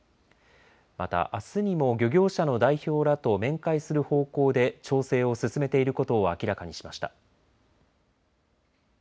また、あすにも漁業者の代表らと面会する方向で調整を進めていることを明らかにしました。